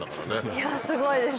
いやすごいです。